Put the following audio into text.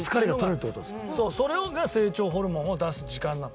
そうそれ成長ホルモンを出す時間なの。